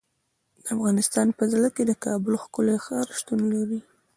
د افغانستان په زړه کې د کابل ښکلی ښار شتون لري.